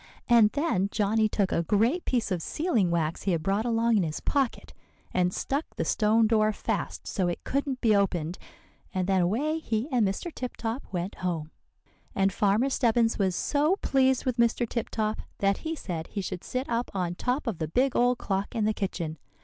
And then Johnny took a great piece of sealing wax he had brought along in his pocket, and stuck the stone door fast so it couldn't be opened. And then away he and Mr. Tip Top went home. "And Farmer Stebbins was so pleased with Mr. Tip Top that he said he should sit up on top of the big old clock in the kitchen.